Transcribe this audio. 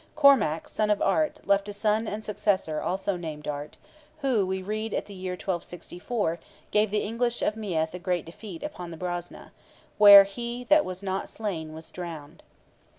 Cormac, son of Art, left a son and successor also named Art, who, we read at the year 1264, gave the English of Meath a great defeat upon the Brosna, where he that was not slain was drowned.